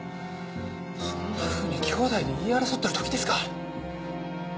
そんなふうに姉弟で言い争ってる時ですか？